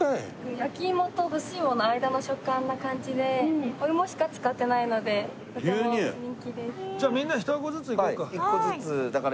焼き芋と干し芋の間の食感な感じでお芋しか使っていないのでとても人気です。